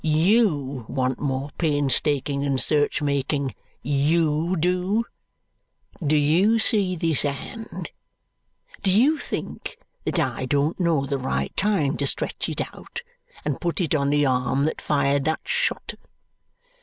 YOU want more painstaking and search making! YOU do? Do you see this hand, and do you think that I don't know the right time to stretch it out and put it on the arm that fired that shot?"